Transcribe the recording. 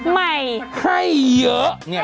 ให้เยอะ